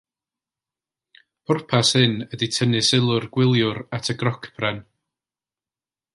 Pwrpas hyn ydy tynnu sylw'r gwyliwr at y grocbren.